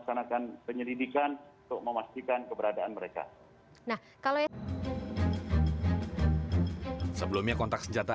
yang menyebabkan kecemasan kecemasan kecemasan kecemasan kecemasan